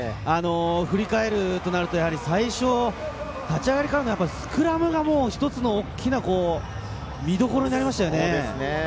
振り返るとなると、最初、立ち上がりからスクラムがもう、１つの大きな見どころになりましたよね。